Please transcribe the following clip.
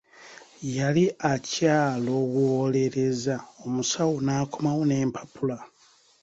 Yali akyalowoolereza, omusawo n'akomawo n'empapula.